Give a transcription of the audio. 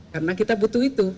karena kita butuh itu